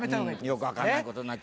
よく分かんないことに。